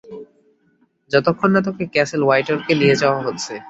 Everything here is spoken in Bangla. যতক্ষণ না তোকে ক্যাসেল হোয়াইটরকে নিয়ে যাওয়া হচ্ছে।